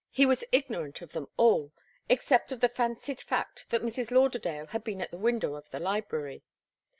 He was ignorant of them all, except of the fancied fact that Mrs. Lauderdale had been at the window of the library.